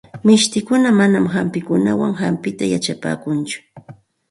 Mishtikuna manam hachawan hampita yachapaakunchu.